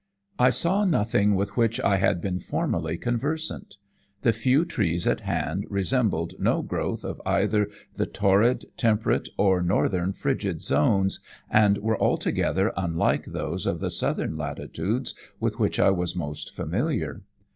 I saw nothing with which I had been formerly conversant. The few trees at hand resembled no growth of either the torrid, temperate, or northern frigid zones, and were altogether unlike those of the southern latitudes with which I was most familiar.